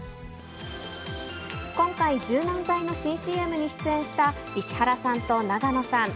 今回、柔軟剤の新ＣＭに出演した石原さんと永野さん。